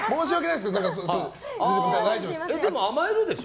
でも甘えるでしょ？